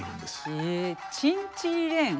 へえ「チンチリレン」。